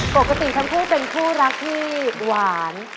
ปกติทั้งคู่เป็นคู่รักที่หวาน